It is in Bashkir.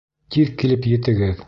Тиҙ килеп етегеҙ!